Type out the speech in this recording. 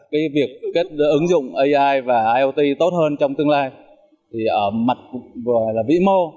cái việc kết ứng dụng ai và iot tốt hơn trong tương lai thì ở mặt là vĩ mô